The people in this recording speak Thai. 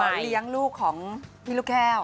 เลี้ยงลูกของพี่ลูกแก้ว